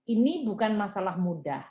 ini bukan masalah mudah